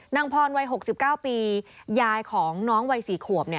นางพรวัย๖๙ปียายของน้องวัย๔ขวบ